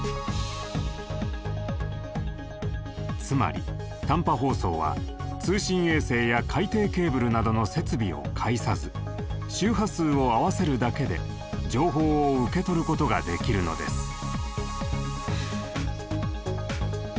つまり短波放送は通信衛星や海底ケーブルなどの設備を介さず周波数を合わせるだけで情報を受け取ることができるのです。